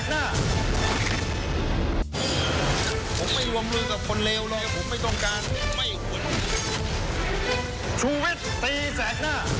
สักครู่เดี๋ยวสินวัน